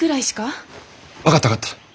分かった分かった。